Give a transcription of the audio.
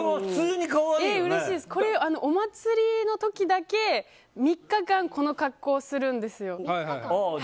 これ、お祭りの時だけ３日間この格好をするんですよ。